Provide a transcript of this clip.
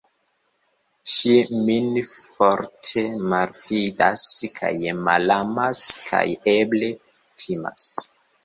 Ŝi min forte malfidas kaj malamas kaj, eble, timas.